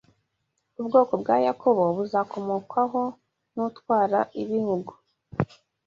Ubwoko bwa Yakobo buzakomokwaho n’utwara ibihugu.